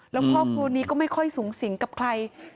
แล้วครอบครัวนี้ก็ไม่ค่อยสูงสิงกับใคร